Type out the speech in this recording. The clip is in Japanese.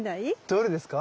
どれですか？